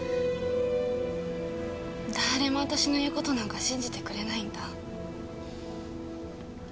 誰も私の言う事なんか信じてくれないんだ。